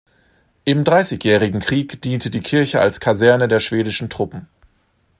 Im Dreißigjährigen Krieg diente die Kirche als Kaserne der schwedischen Truppen.